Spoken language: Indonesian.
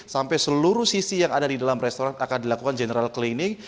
sampai seluruh sisi yang ada di dalam restoran akan dilakukan general cleaning